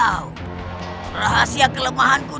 aku tak bisa menangkapmu